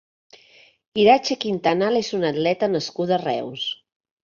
Irache Quintanal és una atleta nascuda a Reus.